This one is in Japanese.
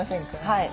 はい。